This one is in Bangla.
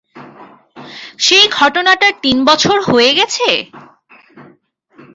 সেই ঘটনাটার তিনবছর হয়ে গেছে?